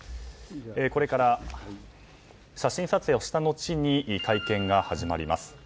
これから写真撮影をしたのちに会見が始まります。